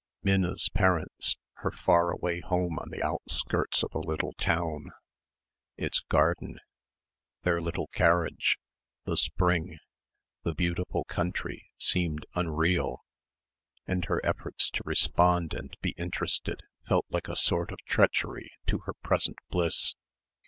Minna's parents, her far away home on the outskirts of a little town, its garden, their little carriage, the spring, the beautiful country seemed unreal and her efforts to respond and be interested felt like a sort of treachery to her present bliss....